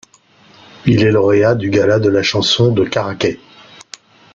Il est lauréat du Gala de la chanson de Caraquet.